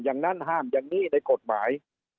อย่างนั้นห้ามอย่างนี้ในกฎหมาย